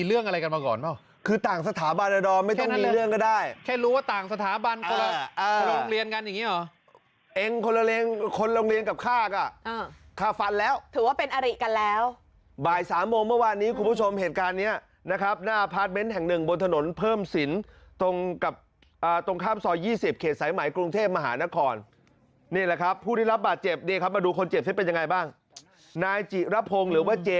เองคนละเรงคนโรงเรียนกับข้ากอ่ะอ่าข้าฟันแล้วถือว่าเป็นอริกันแล้วบ่ายสามโมงเมื่อวานนี้คุณผู้ชมเหตุการณ์เนี้ยนะครับหน้าพาร์ทเม้นแห่งหนึ่งบนถนนเพิ่มสินตรงกับอ่าตรงข้ามซอยยี่สิบเขตสายไหมกรุงเทพมหานครนี่แหละครับผู้ที่รับบาดเจ็บนี่ครับมาดูคนเจ็บเสร็จเป็นยังไงบ้างนายจิระพงห